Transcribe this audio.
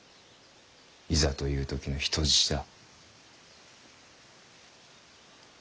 いざという時の人質だ。